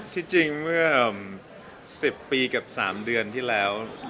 ที่จริงเมื่อ๑๐ปีกับ๓เดือนที่แล้ว